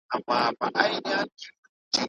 هغې خپل ځواني په کار تېره کړه.